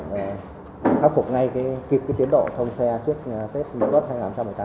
để khắc phục ngay kịp tiến độ thông xe trước tết miễn phút hai nghìn một mươi tám